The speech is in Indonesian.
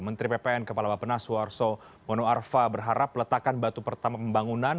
menteri ppn kepala bapak nasuh arso mono arfa berharap letakan batu pertama pembangunan